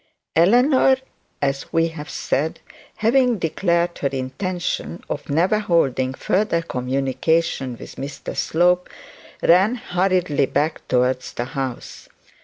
Eleanor, as we have said, having declared her intention of never holding further communication with Mr Slope, ran hurriedly back towards the house.